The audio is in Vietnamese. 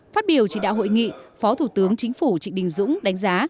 phát biểu chỉ đạo hội nghị phó thủ tướng chính phủ trịnh đình dũng đánh giá